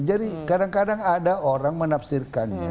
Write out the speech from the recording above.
jadi kadang kadang ada orang menafsirkannya